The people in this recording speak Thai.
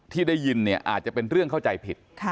ที่ได้ยินเนี่ยอาจจะเป็นเรื่องเข้าใจผิด